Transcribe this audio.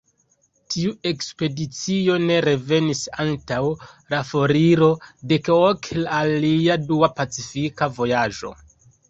Tiu ekspedicio ne revenis antaŭ la foriro de Cook al lia dua Pacifika vojaĝo.